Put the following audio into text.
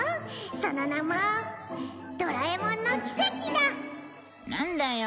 「その名も“ドラえもんの奇跡”だ」なんだよ